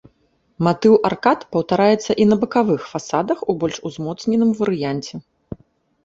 Матыў аркад паўтараецца і на бакавых фасадах, у больш узмоцненым варыянце.